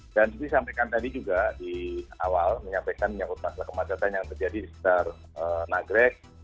dan saya sampaikan tadi juga di awal menyampaikan menyangkut masalah kemasyarakat yang terjadi setelah nagrek